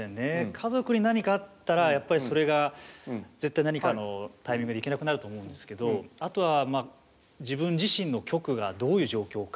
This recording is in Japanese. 家族に何かあったらやっぱりそれが絶対何かのタイミングで行けなくなると思うんですけどあとは自分自身の局がどういう状況かっていう。